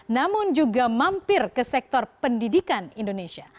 namun juga mampir ke sektor pendidikan indonesia